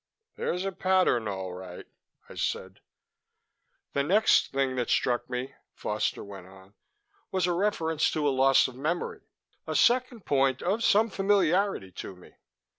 "There's a pattern, all right," I said. "The next thing that struck me," Foster went on, "was a reference to a loss of memory a second point of some familiarity to me.